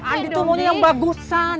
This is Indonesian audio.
andi tuh mau yang bagusan